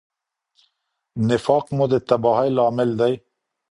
نفاق مو د تباهۍ لامل دی.